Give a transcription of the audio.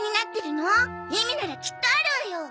意味ならきっとあるわよ！